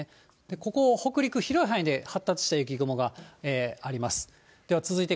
ここ、北陸、広い範囲で発達した雪雲があります。